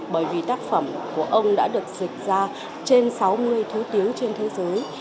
bởi vì tác phẩm của ông đã được dịch ra trên sáu mươi thứ tiếng trên thế giới